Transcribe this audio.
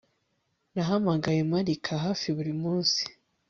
Nahamagaye Marika hafi buri munsi